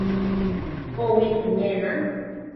Pikowi piñena.